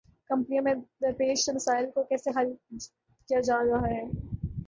کیمپوں میں درپیش مسائل کو کیسے حل کیا جا رہا ہے؟